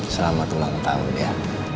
selamat ulang tahun ya